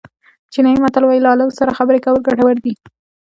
چینایي متل وایي له عالم سره خبرې کول ګټور دي.